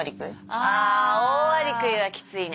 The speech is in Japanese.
あオオアリクイはキツいね。